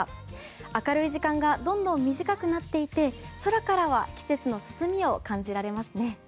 明るい時間がどんどん短くなっていて空からは季節の進みを感じられますね。